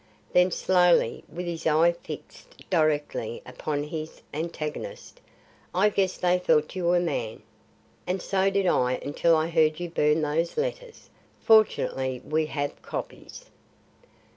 Then slowly, with his eye fixed directly upon his antagonist, "I guess they thought you a man. And so did I until I heard you burn those letters. Fortunately we have copies."